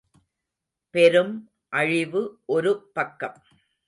பெரும் அழிவு ஒரு பக்கம்.